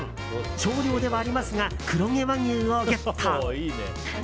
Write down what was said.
少量ではありますが黒毛和牛をゲット。